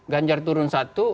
ganjar turun satu